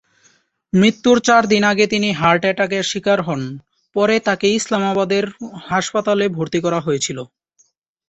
মৃত্যুর চার দিন আগে তিনি হার্ট অ্যাটাকের শিকার হন পরে তাকে ইসলামাবাদের হাসপাতালে ভর্তি করা হয়েছিল।